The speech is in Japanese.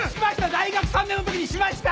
大学３年の時にしました！